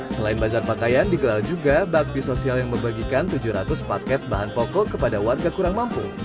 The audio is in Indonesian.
selain bazar pakaian digelar juga bakti sosial yang membagikan tujuh ratus paket bahan pokok kepada warga kurang mampu